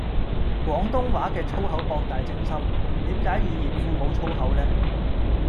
廣東話嘅粗口博大精深，點解語言庫無粗口呢